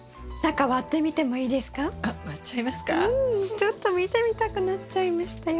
ちょっと見てみたくなっちゃいましたよ。